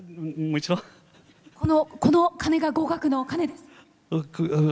この鐘が合格の鐘です。